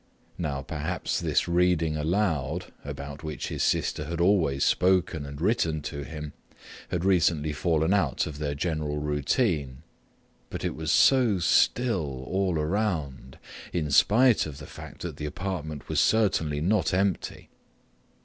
Now, perhaps this reading aloud, about which his sister had always spoken and written to him, had recently fallen out of their general routine. But it was so still all around, in spite of the fact that the apartment was certainly not empty.